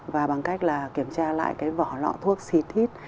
và bằng cách là kiểm tra lại cái vỏ lọ thuốc xịt hít